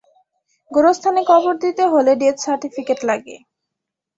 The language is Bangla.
গোরস্থানে কবর দিতে হলে ডেথ সার্টিফিকেট লাগে।